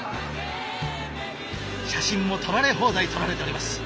写真も撮られ放題撮られております。